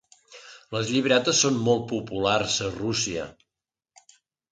Les llibretes són molt populars a Rússia.